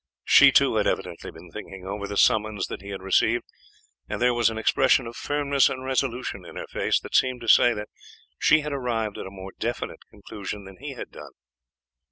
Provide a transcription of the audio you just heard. She, too, had evidently been thinking over the summons that he had received, and there was an expression of firmness and resolution in her face that seemed to say that she had arrived at a more definite conclusion than he had done.